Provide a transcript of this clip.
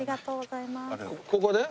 ここで。